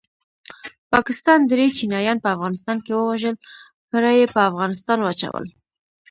پاکستان دري چینایان په افغانستان کې ووژل پړه یې په افغانستان واچول